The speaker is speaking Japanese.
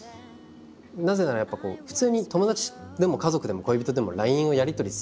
なぜならやっぱ普通に友達でも家族でも恋人でもＬＩＮＥをやり取りするじゃないですか。